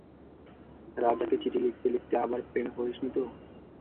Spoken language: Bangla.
রাজাকে চিঠি লিখতে লিখতে, আবার প্রেমে পড়িসনি তো?